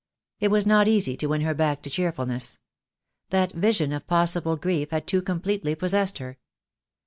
It was not easy to win her back to cheerfulness. That vision of possible grief had too completely possessed her.